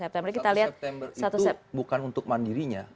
satu september itu bukan untuk mandirinya